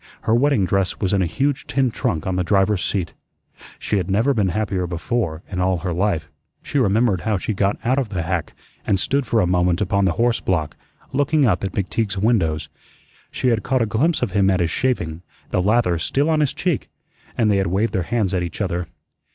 Her wedding dress was in a huge tin trunk on the driver's seat. She had never been happier before in all her life. She remembered how she got out of the hack and stood for a moment upon the horse block, looking up at McTeague's windows. She had caught a glimpse of him at his shaving, the lather still on his cheek, and they had waved their hands at each other.